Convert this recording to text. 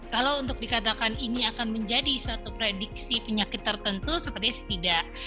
kalau untuk dikatakan ini akan menjadi suatu prediksi penyakit tertentu sepertinya sih tidak